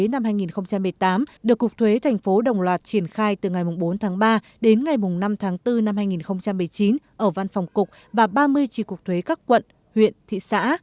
năm hai nghìn một mươi tám được cục thuế thành phố đồng loạt triển khai từ ngày bốn tháng ba đến ngày năm tháng bốn năm hai nghìn một mươi chín ở văn phòng cục và ba mươi tri cục thuế các quận huyện thị xã